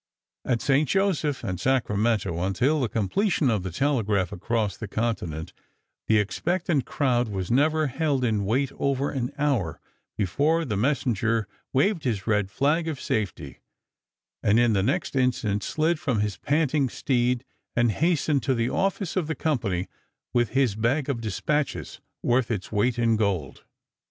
At St. Joseph and Sacramento, until the completion of the telegraph across the continent, the expectant crowd was never held in wait over an hour before the messenger waved his red flag of safety, and in the next instant slid from his panting steed and hastened to the office of the company with his bag of dispatches, worth its weight in gold.